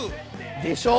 でしょ。